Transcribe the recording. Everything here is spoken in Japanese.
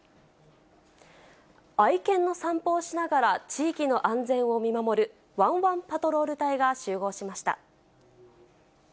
愛犬の散歩をしながら地域の安全を見守るわんわんパトロール隊が集合しました。